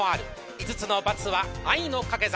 ５つのバツは愛の掛け算。